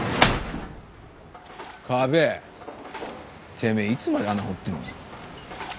てめえいつまで穴掘ってんだ。